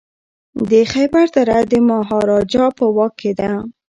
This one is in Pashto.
د خیبر دره د مهاراجا په واک کي ده.